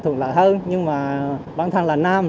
thuận lợi hơn nhưng mà bản thân là nam